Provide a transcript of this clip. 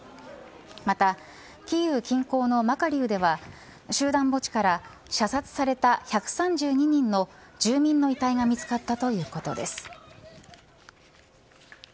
また、キーウ近郊のマカリウでは集団墓地から射殺された１３２人の住民の遺体が見つかったということです。